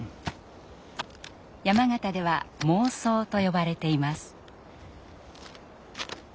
山形では孟宗と呼ばれています。